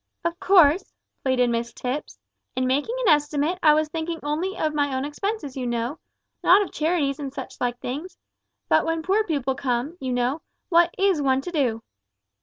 "Of course," pleaded Mrs Tipps, "in making an estimate, I was thinking only of my own expenses, you know not of charities and such like things; but when poor people come, you know, what is one to do?"